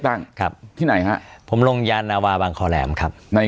บ้างครับที่ไหนฮะผมลงยานาวาบางคอแหลมครับใน